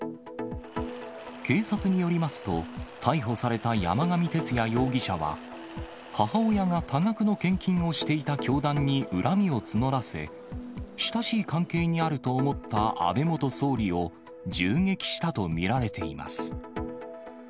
警察によりますと、逮捕された山上徹也容疑者は、母親が多額の献金をしていた教団に恨みを募らせ、親しい関係にあると思った安倍元総理を銃撃したと見られています。